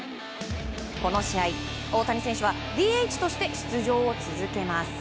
この試合、大谷選手はＤＨとして出場を続けます。